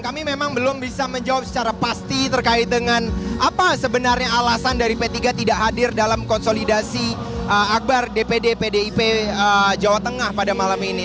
kami memang belum bisa menjawab secara pasti terkait dengan apa sebenarnya alasan dari p tiga tidak hadir dalam konsolidasi akbar dpd pdip jawa tengah pada malam ini